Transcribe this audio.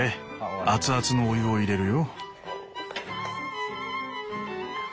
熱々のお湯を入れるよ。